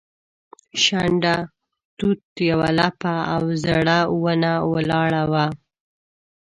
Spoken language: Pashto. شنډه توت یوه لویه او زړه ونه ولاړه وه.